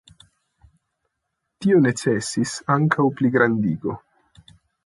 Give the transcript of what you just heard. Tio necesis ankaŭ pligrandigo.